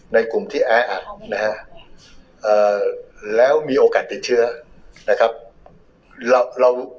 ในกลุ่มที่แออัดนะฮะแล้วมีโอกาสติดเชื้อนะครับ